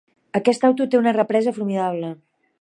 Aquest auto té una represa formidable.